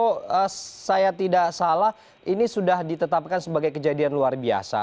kalau saya tidak salah ini sudah ditetapkan sebagai kejadian luar biasa